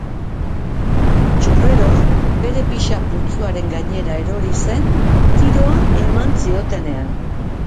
Txurreroa bere pixa-putzuaren gainera erori zen tiroa eman ziotenean.